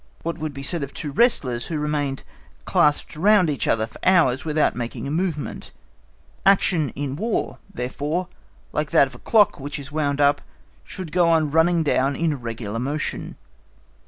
What would be said of two wrestlers who remained clasped round each other for hours without making a movement. Action in War, therefore, like that of a clock which is wound up, should go on running down in regular motion.